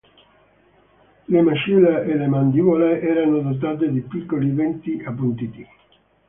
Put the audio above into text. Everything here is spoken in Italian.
Le mascella e la mandibola erano dotate di piccoli denti appuntiti.